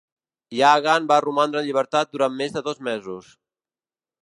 Yagan va romandre en llibertat durant més de dos mesos.